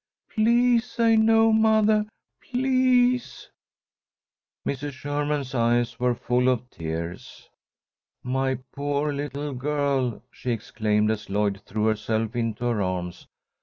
Please say no, mothah! Please!" Mrs. Sherman's eyes were full of tears. "My poor little girl," she exclaimed as Lloyd threw herself into her arms.